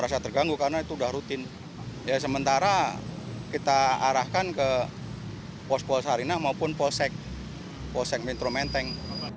sementara kita arahkan ke pols polsarinah maupun polsek polsek mentrometeng